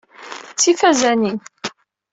D tifazanin.